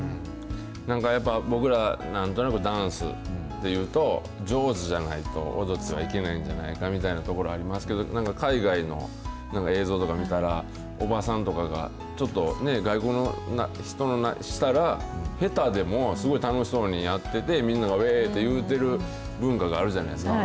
なんかやっぱ、僕らなんとなくダンスというと、上手じゃないと踊ってはいけないんじゃないかみたいなとこありますけど、なんか海外の、映像とか見たら、おばさんとかがちょっと外国の人にしたら、下手でもすごい楽しそうにやってて、みんながうぇーいって言うてる文化があるじゃないですか。